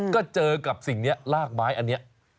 ก็เจอกับสิ่งนี้ลากไม้อันนี้